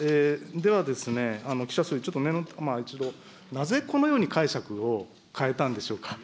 では、岸田総理、ちょっと念のため、なぜこのように解釈を変えたんでしょうか。